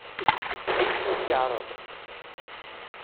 Ad iyi-tent-yeɛṛeḍ?